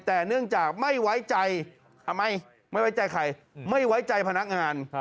แต่เนื่องจากไม่ไว้ใจทำไมไม่ไว้ใจใครไม่ไว้ใจพนักงาน